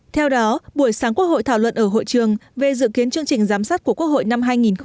theo đó buổi sáng quốc hội thảo luận ở hội trường về dự kiến chương trình giám sát của quốc hội năm hai nghìn hai mươi